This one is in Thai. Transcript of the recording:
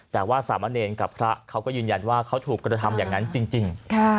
แต่ว่าสามะเนรกับพระเขาก็ยืนยันว่าเขาถูกกระทำอย่างนั้นจริง